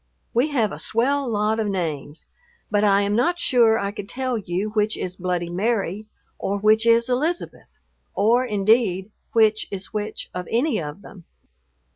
We have a swell lot of names, but I am not sure I could tell you which is "Bloody Mary," or which is "Elizabeth," or, indeed, which is which of any of them.